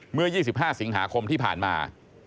เมื่อ๒๕สิงหาคมที่ผ่านมา